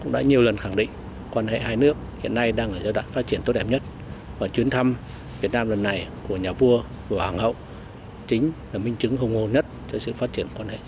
đưa quan hệ hai nước lên tầm cao mới